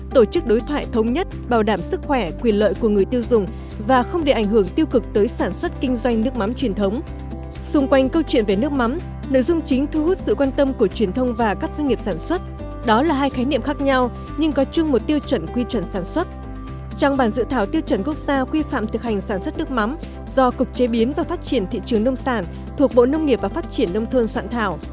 trang bản dự thảo tiêu chuẩn quốc gia quy phạm thực hành sản xuất nước mắm do cục chế biến và phát triển thị trường nông sản thuộc bộ nông nghiệp và phát triển nông thôn soạn thảo